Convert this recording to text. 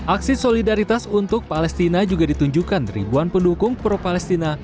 aksi solidaritas untuk palestina juga ditunjukkan ribuan pendukung pro palestina